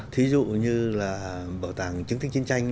thí dụ như là bảo tàng trứng tinh chiến tranh